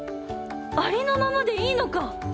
ありのままでいいのか！